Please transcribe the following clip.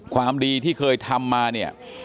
ความดีที่เคยทำมาเนี่ย